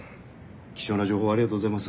貴重な情報ありがとうございます。